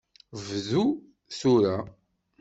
Bdu tura.